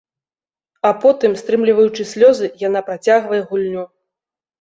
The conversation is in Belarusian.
А потым, стрымліваючы слёзы, яна працягвае гульню.